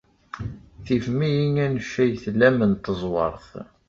Tifem-iyi anect ay tlam n teẓwert.